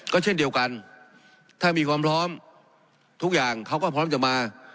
ก็เช่นเดียวกันถ้ามีความพร้อมทุกอย่างเขาก็พร้อมจะมา